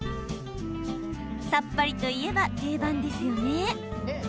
さっぱりといえば定番ですよね。